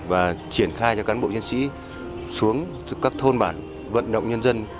và triển khai cho cán bộ chiến sĩ xuống các thôn bản vận động nhân dân